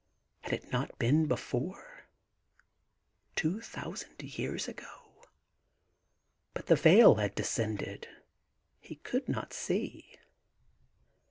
Had it not been before ?... Two thousand years ago? ... But the veil had de scended — he could not see.